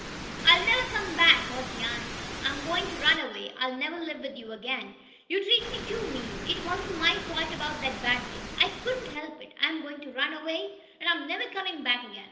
"I'll never come back!" was the answer. "I I'm going to run away! I'll never live with you again! You treat me too mean! It wasn't my fault about that bad money! I couldn't help it. I'm going to run away, and I'm never coming back again.